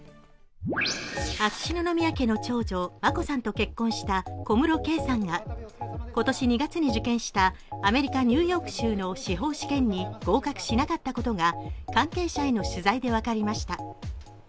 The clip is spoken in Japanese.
秋篠宮家の長女、眞子さんと結婚した小室圭さんが今年２月に受験したアメリカ・ニューヨーク州の司法試験に合格しなかったことが関係者への取材で分かりました。